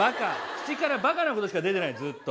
口からバカなことしか出てないずっと。